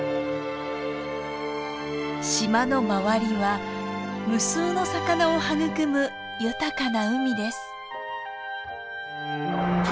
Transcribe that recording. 島の周りは無数の魚を育む豊かな海です。